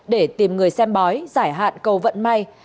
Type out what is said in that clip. để tìm người xem bói giải hạn cầu vận may